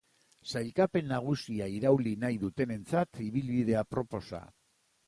Sailkapen nagusia irauli nahi dutenentzat ibilbide aproposa.